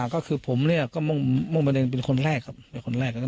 ก็คือผมเนี่ยก็ม่วงเป็นคนแรกครับเป็นคนแรก